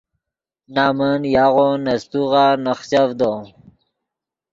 نمن یاغو نے سیتوغا نخچڤدو